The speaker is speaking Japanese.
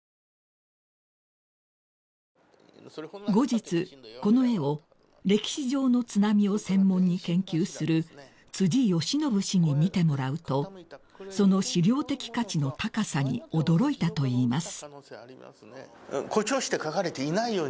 ［後日この絵を歴史上の津波を専門に研究する都司嘉宣氏に見てもらうとその資料的価値の高さに驚いたといいます］